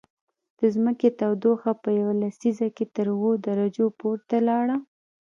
د ځمکې تودوخه په یوه لسیزه کې تر اووه درجو پورته لاړه